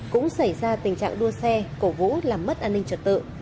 cũng xảy ra tình trạng đua xe cổ vũ làm mất an ninh trật tự